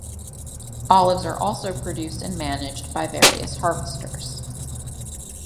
Olives are also produced and managed by various harvesters.